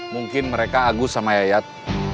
mungkin mereka agus sama yayat